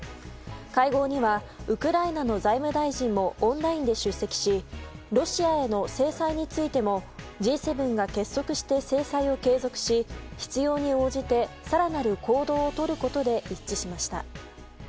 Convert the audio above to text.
会合にはウクライナの財務大臣もオンラインで出席しロシアへの制裁についてもＧ７が結束して制裁を継続し必要に応じて更なる行動をとることで一致しました。